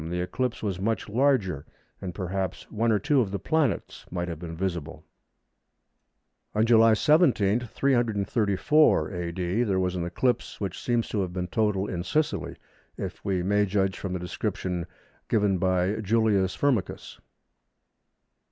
the eclipse was much larger, and perhaps one or two of the planets might have been visible. On July 17, 334 A.D., there was an eclipse, which seems to have been total in Sicily, if we may judge from the description given by Julius Firmicus.